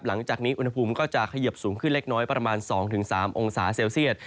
หลังจากนี้อุณหภูมิก็จะเขยิบสูงขึ้นเล็กน้อยประมาณ๒๓องศาเซลเซียต